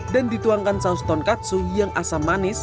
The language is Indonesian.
dan dituangkan saus tonkatsu yang asam manis